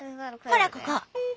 ほらここ！